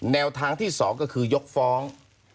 แนวทางที่๒ก็คือยกฟ้อง